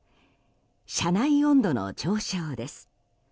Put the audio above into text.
車内温度の上昇です。